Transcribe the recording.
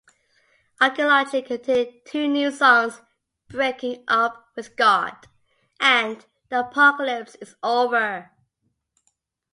Arkeology contained two new songs, "Breaking Up With God" and "The Apocalypse Is Over".